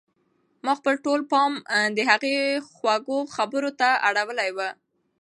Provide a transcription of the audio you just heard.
ما خپل ټول پام د هغې خوږو خبرو ته اړولی و.